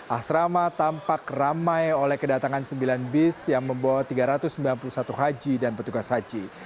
asrama tampak ramai oleh kedatangan sembilan bis yang membawa tiga ratus sembilan puluh satu haji dan petugas haji